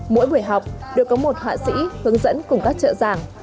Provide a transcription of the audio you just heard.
mỗi buổi học đều có một hạ sĩ hướng dẫn cùng các trợ giảng